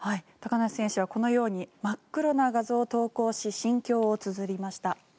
高梨選手はこのように真っ黒な画像を投稿し心境をつづりました。